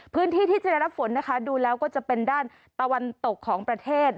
พื้นที่ที่จะได้รับฝนนะคะดูแล้วก็จะเป็นด้านตะวันตกของประเทศ